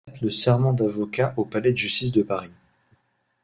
Il prête le serment d’avocat au palais de justice de Paris.